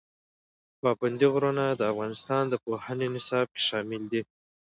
پابندی غرونه د افغانستان د پوهنې نصاب کې شامل دي.